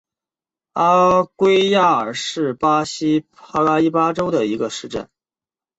阿圭亚尔是巴西帕拉伊巴州的一个市镇。